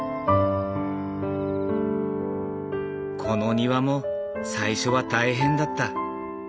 この庭も最初は大変だった。